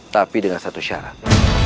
tapi dengan satu syarat